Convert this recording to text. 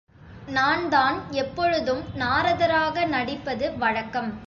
நான்தான் எப்பொழுதும் நாரதராக நடிப்பது வழக்கம்.